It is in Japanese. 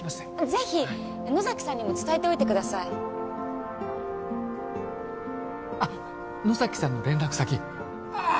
ぜひ野崎さんにも伝えておいてくださいあっ野崎さんの連絡先あーっ